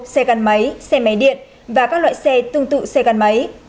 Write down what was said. xe gắn máy xe máy điện và các loại xe tương tự xe gắn máy